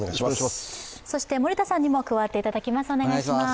森田さんにも加わっていただきます。